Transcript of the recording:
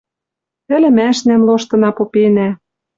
Ӹлӹмӓшнӓм лоштына попенӓ